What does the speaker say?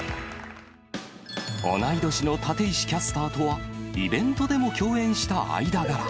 同い年の立石キャスターとは、イベントでも共演した間柄。